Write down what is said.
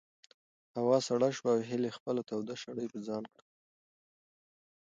هوا سړه شوه او هیلې خپله توده شړۍ په ځان کړه.